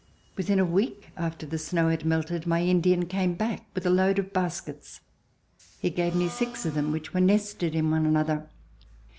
Within a week after the snow had melted, my Indian came back with a load of baskets, lie gave me six of them which were nested in one another.